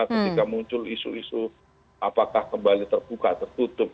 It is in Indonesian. ketika muncul isu isu apakah kembali terbuka tertutup